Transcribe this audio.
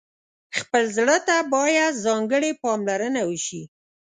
خپل زړه ته باید ځانګړې پاملرنه وشي.